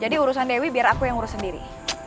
jadi urusan dewi biar aku yang urus sendiri